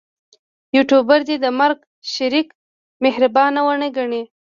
یوټوبر دې د مرکه شریک مهرباني ونه ګڼي.